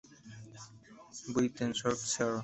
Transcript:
Buitenzorg ser.